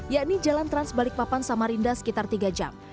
yakni jalan trans balikpapan sama rinda sekitar tiga jam